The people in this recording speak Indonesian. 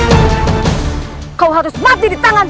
tak ada yang kutanggap